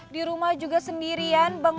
di rumah juga sendirian bang